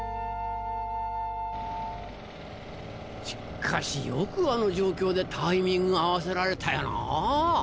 しっかしよくあの状況でタイミング合わせられたよなぁ。